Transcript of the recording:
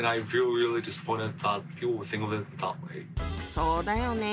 そうだよね。